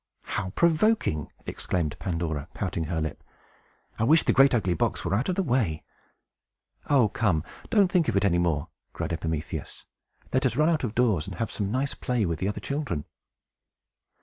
"How provoking!" exclaimed Pandora, pouting her lip. "I wish the great ugly box were out of the way!" "Oh come, don't think of it any more," cried Epimetheus. "Let us run out of doors, and have some nice play with the other children."